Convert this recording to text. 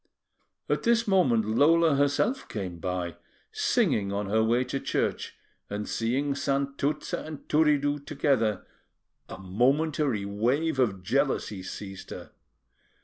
At this moment Lola herself came by, singing on her way to church, and seeing Santuzza and Turiddu together, a momentary wave of jealousy seized her.